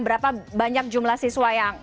berapa banyak jumlah siswa yang